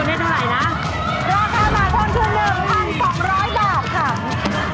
มาหาทุนให้เท่าไหร่นะ